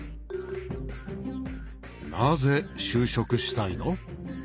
なぜ就職したいの？